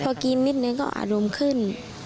พอกินนิดนึงก็อารมณ์ขึ้น